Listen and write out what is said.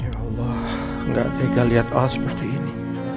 ya allah gak tega liat al seperti ini